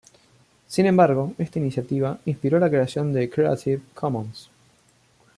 Sin embargo, esta iniciativa inspiró la creación de "Creative Commons".